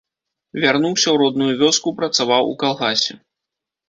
Вярнуўся ў родную вёску, працаваў у калгасе.